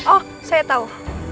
oh saya tau